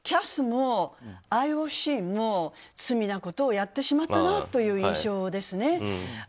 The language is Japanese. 私はＣＡＳもＩＯＣも罪なことをやってしまったなという印象ですね。